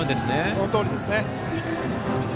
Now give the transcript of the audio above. そのとおりですね。